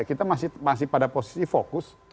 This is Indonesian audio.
kita masih pada posisi fokus